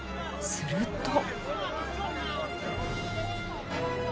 すると。